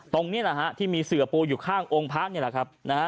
ตรงนี้แหละฮะที่มีเสือปูอยู่ข้างองค์พระนี่แหละครับนะฮะ